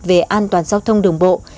về an toàn giao thông đường bộ